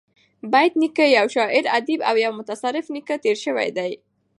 بېټ نیکه یو شاعر ادیب او یو متصرف نېکه تېر سوى دﺉ.